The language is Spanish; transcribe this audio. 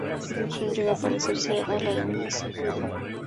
Su función llega a parecerse a la de un escudo.